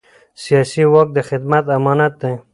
سیاسي واک د خدمت امانت دی